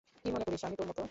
কি মনে করিস, আমি তোর মতো?